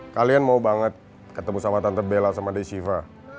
kalian mau banget ketemu sama tante bella sama desiva